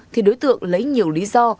thì đối tượng lấy nhiều lý do